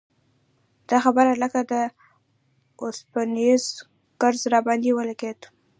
دا خبره لکه د اوسپنیز ګرز راباندې ولګېده.